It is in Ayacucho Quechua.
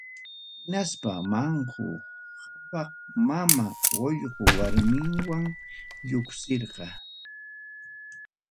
Hinaspa Manqu Qhapaq Mama Uqllu warminwan lluqsirqa.